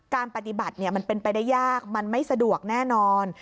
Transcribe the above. การปฏิบัติมันเป็นไปได้ยากมันไม่สะดวกแน่นอน